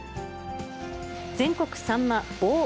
全国さんま棒受